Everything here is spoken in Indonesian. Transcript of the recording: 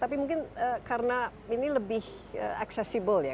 tapi mungkin karena ini lebih accessible ya